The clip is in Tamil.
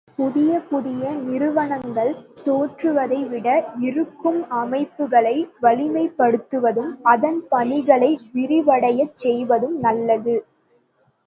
புதிய புதிய நிறுவனங்கள் தோன்றுவதைவிட இருக்கும் அமைப்புகளை வலிமைப்படுத்துவதும் அதன் பணிகளை விரிவடையச் செய்வதும் நல்லது.